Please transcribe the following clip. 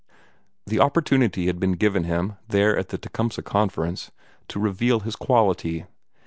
The opportunity had been given him, there at the Tecumseh Conference, to reveal his quality.